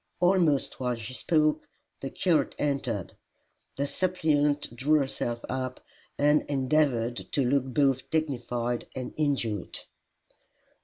Almost while she spoke, the curate entered. The suppliant drew herself up, and endeavoured to look both dignified and injured.